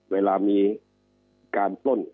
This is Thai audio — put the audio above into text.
เวลามีการต้น๗๑๑